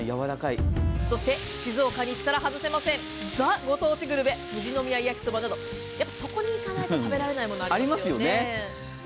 そして静岡に行ったら外せません、ザ・ご当地グルメ富士宮やきそばなど、やはり、そこに行かないと食べられないもの、ありますよね。